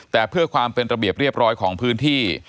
แต่เพื่อความเป็นระเบียบเรียบร้อยของพื้นที่